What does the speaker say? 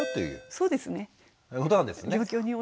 そうですね。